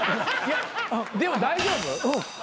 でも大丈夫？